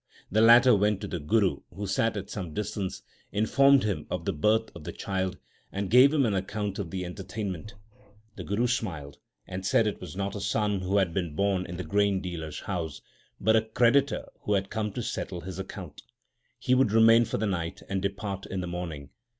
The latter went to the Guru, who sat at some distance, informed him of the birth of the child, and gave him an account of the enter tainment. The Guru smiled, and said it was not a son who had been born in the grain dealer s house, but a creditor who had come to settle his account. He would remain for the night and depart in the morning.